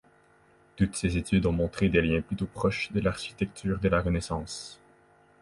Toutes ces études ont montré des liens plutôt proches de l'architecture de la renaissance.